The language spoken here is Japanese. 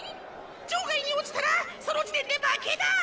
場外に落ちたらその時点で負けだ。